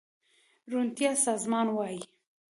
روڼتيا سازمان وايي